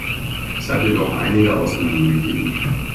Es hat jedoch einige Ausnahmen gegeben.